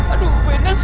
aduh bu endang